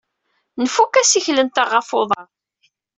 Nfuk assikel-nteɣ ɣef uḍar.